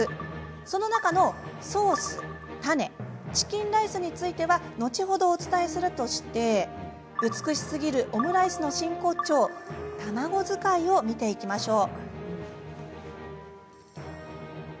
その中のソースタネチキンライスについては後ほどお伝えするとして美しすぎるオムライスの真骨頂卵使いを見ていきましょう。